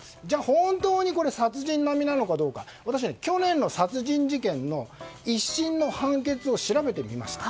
本当に殺人並みなのかどうか私、去年の殺人事件の一審の判決を調べてみました。